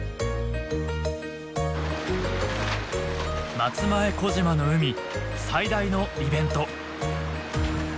松前小島の海最大のイベント。